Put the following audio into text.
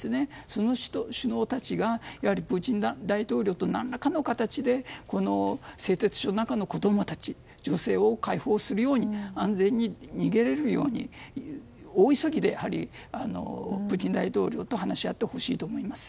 その首脳たちがプーチン大統領と何らかの形で製鉄所内の子供たち、女性を解放するように安全に逃げれるように大急ぎでプーチン大統領と話し合ってほしいと思います。